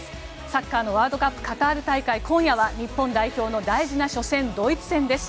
サッカーのワールドカップカタール大会今夜は日本代表の大事な初戦ドイツ戦です。